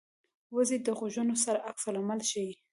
وزې د غږونو سره عکس العمل ښيي